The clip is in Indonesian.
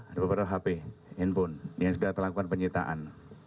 ada beberapa hp handphone yang sudah telah dilakukan penyitaan